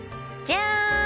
じゃーん！